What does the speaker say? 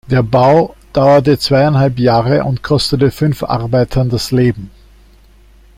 Der Bau dauerte zweieinhalb Jahre und kostete fünf Arbeitern das Leben.